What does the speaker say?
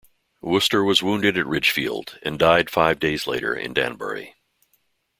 Wooster was wounded at Ridgefield and died five days later in Danbury.